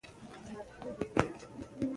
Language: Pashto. هغې د دېوال ګړۍ ته وکتل چې وخت څومره تېر شوی دی.